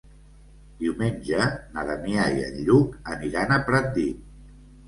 Diumenge na Damià i en Lluc aniran a Pratdip.